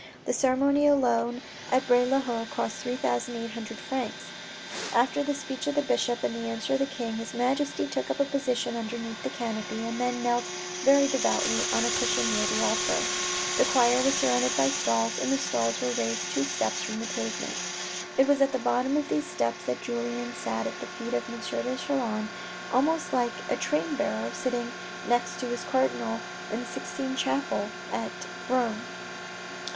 The ceremony alone of Bray le Haute cost three thousand eight hundred francs. A KING AT VERRIERES 113 After the speech of the bishop, and the answer of the king, his Majesty took up a position underneath the canopy, and then knelt very devoutly on a cushion near the altar. The choir was surrounded by stalls, and the stalls were raised two steps from the pavement. It was at the bottom of these steps that Julien sat at the feet of M. de Chelan almost like a train bearer sitting next to his cardinal in the Sixtine chapel at Rome.